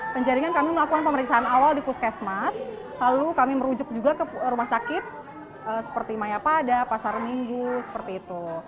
penjaringan kami melakukan pemeriksaan awal di puskesmas lalu kami merujuk juga ke rumah sakit seperti mayapada pasar minggu seperti itu